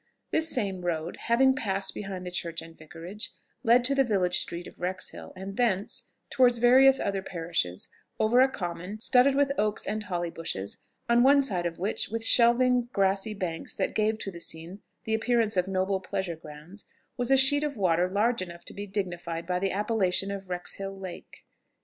This same road, having passed behind the church and Vicarage, led to the village street of Wrexhill, and thence, towards various other parishes, over a common, studded with oaks and holly bushes, on one side of which, with shelving grassy banks that gave to the scene the appearance of noble pleasure grounds, was a sheet of water large enough to be dignified by the appellation of Wrexhill Lake.